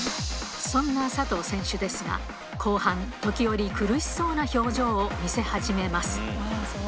そんな佐藤選手ですが、後半、時折、苦しそうな表情を見せ始めます。